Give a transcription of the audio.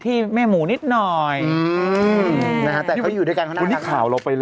พี่มนต์ไปล่ะ